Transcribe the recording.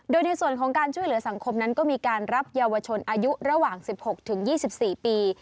โดยในส่วนของการช่วยเหลือสังคมนั้นก็มีการรับเยาวชนอายุระหว่าง๑๖๒๔ปี